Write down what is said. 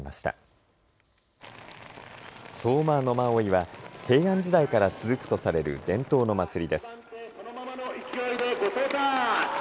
馬追は平安時代から続くとされる伝統の祭りです。